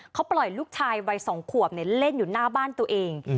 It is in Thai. เขาปล่อยลูกชายวัย๒ขวบเล่นอยู่หน้าบ้านตัวเอง